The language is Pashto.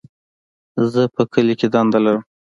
زه په کلي کي دنده لرم.